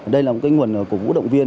đây là nguồn cổ vũ động viên